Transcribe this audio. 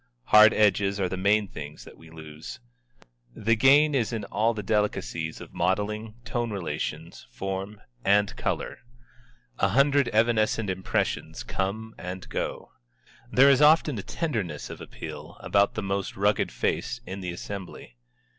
Hard edges are the main things that we lose. The gain is in all the delicacies of modelling, tone relations, form, and color. A hundred evanescent impressions come and go. There is often a tenderness of appeal about the most rugged face in the assembly.